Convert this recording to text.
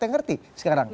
yang ngerti sekarang